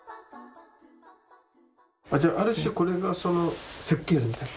じゃあある種これがその設計図みたいな。